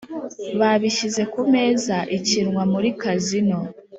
Babishyize ku meza ikinwa muri kazino